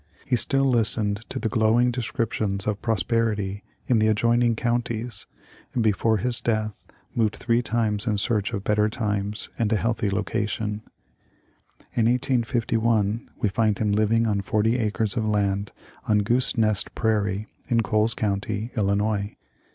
He still lis tened to the glowing descriptions of prosperity in the adjoining counties, and before his death moved three times in search of better times and a healthy location. In 1851 we find him living on forty acres of land on Goose Nest prairie, in Coles county, Illi nois.